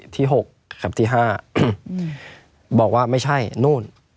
ที่๖กับที่๕บอกว่าไม่ใช่นู่น